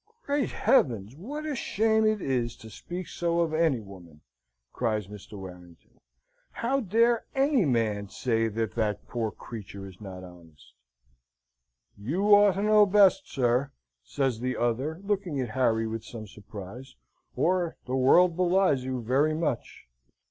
"Great heavens! what a shame it is to speak so of any woman!" cries Mr. Warrington. "How dare any man say that that poor creature is not honest?" "You ought to know best, sir," says the other, looking at Harry with some surprise, "or the world belies you very much."